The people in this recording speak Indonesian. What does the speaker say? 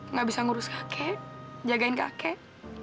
nggak bisa ngurus kakek jagain kakek